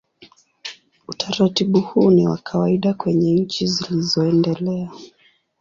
Utaratibu huu ni wa kawaida kwenye nchi zilizoendelea.